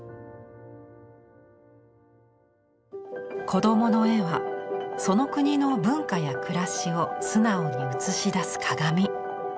子どもの絵はその国の文化や暮らしを素直に映し出す鏡。